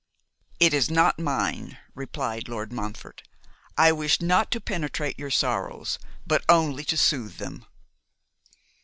'It is not mine,' replied Lord Montfort; 'I wish not to penetrate your sorrows, but only to soothe them.